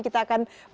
kita akan mencicipi